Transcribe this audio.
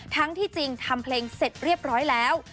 ทั้งที่จริงทำเพลงเสร็จเรียบร้อยแล้ว